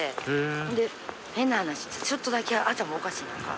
ほんで変な話ちょっとだけ頭おかしい。